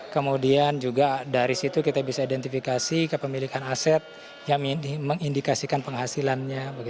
kemudian juga dari situ kita bisa identifikasi kepemilikan aset yang mengindikasikan penghasilannya